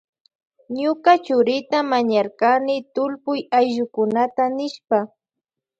Ñuka churita mañarkani tullpuy ayllukunata nishpa.